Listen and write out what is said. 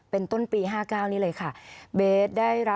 เป็นต้นปี๕๙นี้เลยค่ะ